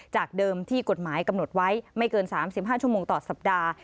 จากเดิมที่กฎหมายกำหนดไว้ไม่เกิน๓๕ชั่วโมงต่อสัปดาห์